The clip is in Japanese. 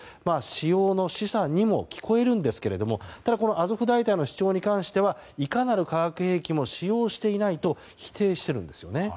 使用の示唆にも聞こえるんですけどもただアゾフ大隊の主張に関してはいかなる化学兵器も使用していないと否定しているんですね。